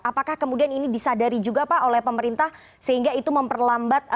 apakah kemudian ini disadari juga pak oleh pemerintah sehingga itu memperlambat